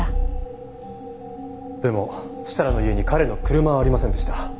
でも設楽の家に彼の車はありませんでした。